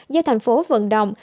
do thành phố vận động